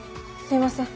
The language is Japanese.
すいません。